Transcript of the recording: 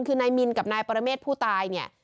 คือนายมินกับนายปรเมฆผู้ตายเนี่ย